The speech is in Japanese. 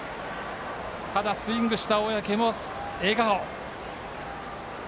ただスイングした小宅も笑顔。